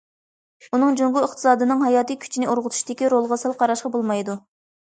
ئۇنىڭ جۇڭگو ئىقتىسادىنىڭ ھاياتىي كۈچىنى ئۇرغۇتۇشتىكى رولىغا سەل قاراشقا بولمايدۇ.